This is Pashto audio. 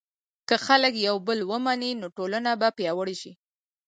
که خلک یو بل ومني، نو ټولنه به پیاوړې شي.